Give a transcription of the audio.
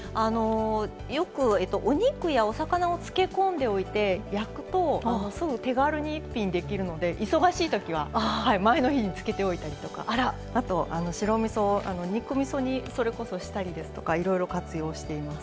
よくお肉やお魚を漬け込んでおいて焼くとすぐ手軽に一品できるので忙しいときは前の日に漬けておいたりとかあと白みそを肉みそにそれこそしたりですとかいろいろ活用しています。